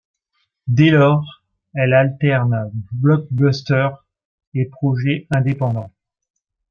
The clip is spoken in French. Dès lors, elle alterne blockbusters et projets indépendants.